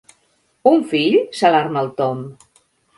Un fill? —s'alarma el Tom—.